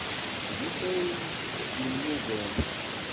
D nekk ay t-yemmugren.